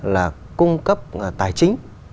là cung cấp tài chính